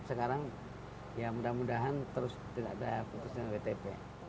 sekarang ya mudah mudahan terus tidak ada putusan wtp